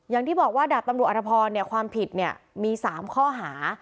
อย่างที่บอกว่าดาบตำรวจอธพรความผิดมี๓ข้อหา